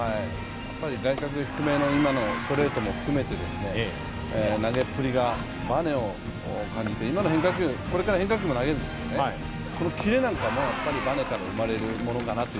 外角低めの今のストレートも含めて投げっぷりがバネを感じて、これから変化球も投げるんですけど、キレなんかもバネから生まれるものかなと。